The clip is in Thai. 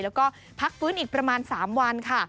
แล้วก็พักฟื้นอีกประมาณ๓วันค่ะ